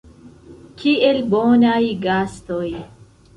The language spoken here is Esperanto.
Kiel bonaj gastoj.